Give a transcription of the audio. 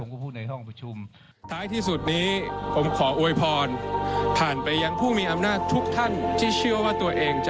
ด้วยกลมล้อของเวลาที่เดินหน้าอย่างไม่หยุดยั้ง